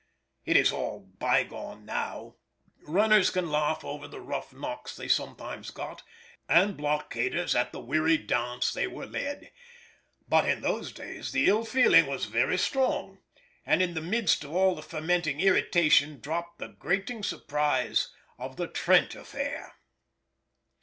It is all bygone now; runners can laugh over the rough knocks they sometimes got, and blockaders at the weary dance they were led. But in those days the ill feeling was very strong, and in the midst of all the fermenting irritation dropped the grating surprise of the Trent affair.